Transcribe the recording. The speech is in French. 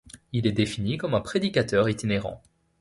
Il est défini comme un prédicateur itinérant.